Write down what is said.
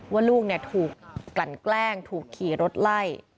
ว่าลูกถูกกลั่นแกล้งถูกขี่รถไล่